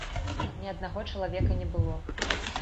Ні аднаго чалавека не было.